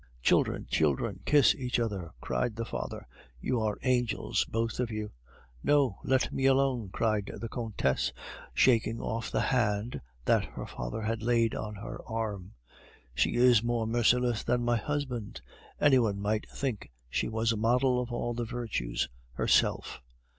"Children, children, kiss each other!" cried the father. "You are angels, both of you." "No. Let me alone," cried the Countess shaking off the hand that her father had laid on her arm. "She is more merciless than my husband. Any one might think she was a model of all the virtues herself!"